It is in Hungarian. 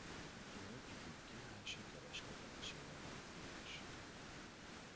György brit király sikeres kezelésével vált híressé.